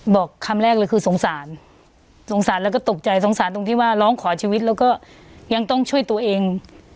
บอกคำแรกเลยคือสงสารสงสารแล้วก็ตกใจสงสารตรงที่ว่าร้องขอชีวิตแล้วก็ยังต้องช่วยตัวเอง